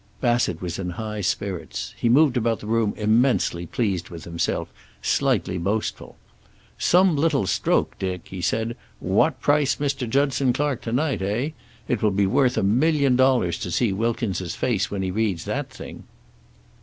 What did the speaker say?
Bassett was in high spirits. He moved about the room immensely pleased with himself, slightly boastful. "Some little stroke, Dick!" he said. "What price Mr. Judson Clark to night, eh? It will be worth a million dollars to see Wilkins' face when he reads that thing."